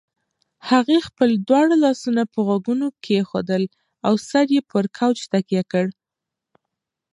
هغې خپل دواړه لاسونه پر غوږونو کېښودل او سر یې پر کوچ تکیه کړ.